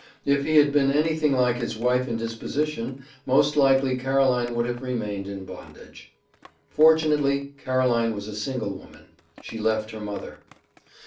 If he had been anything like his wife in disposition, most likely Caroline would have remained in bondage. Fortunately, Caroline was a single woman. She left her mother.